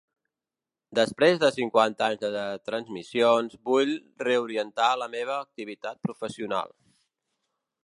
Després de cinquanta anys de transmissions, vull reorientar la meva activitat professional.